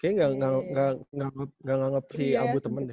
kayaknya gak nganggep si abu temen deh